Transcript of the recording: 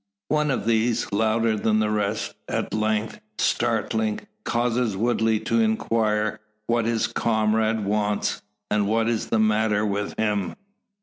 One of these, louder than the rest, at length startling, causes Woodley to enquire what his comrade wants; and what is the matter with him.